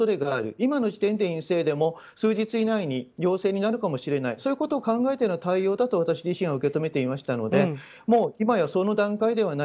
今の時点で陰性でも数日以内に陽性になるかもしれないということを考えての対応だと私自身は受け止めていましたので今はその段階ではない。